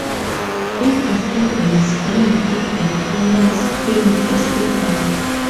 It was even screened at the Cannes Film Festival.